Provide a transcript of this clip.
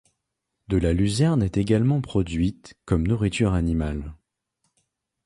De la luzerne est également produite comme nourriture animale.